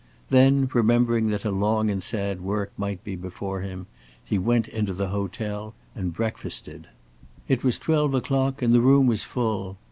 Then, remembering that a long sad work might be before him, he went into the hotel and breakfasted. It was twelve o'clock and the room was full.